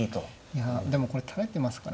いやでもこれ垂れてますからね。